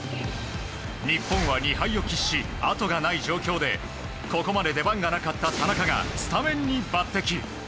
日本は２敗を喫し後がない状況でここまで出番がなかった田中がスタメンに抜擢。